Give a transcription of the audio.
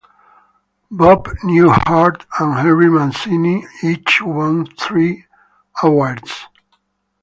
Bob Newhart and Henry Mancini each won three awards.